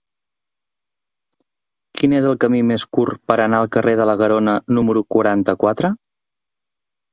Quin és el camí més curt per anar al carrer de la Garona número quaranta-quatre?